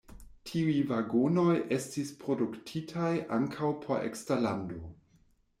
Tiuj vagonoj estis produktitaj ankaŭ por eksterlando.